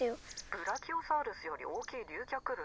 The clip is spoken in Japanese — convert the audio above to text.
☎ブラキオサウルスより大きい竜脚類？